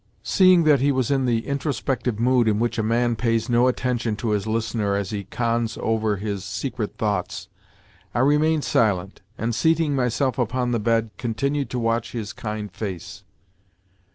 Seeing that he was in the introspective mood in which a man pays no attention to his listener as he cons over his secret thoughts, I remained silent, and, seating myself upon the bed, continued to watch his kind face.